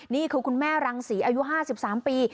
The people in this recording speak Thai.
นี่คือคุณแม่รังศรีอายุ๕๓ปี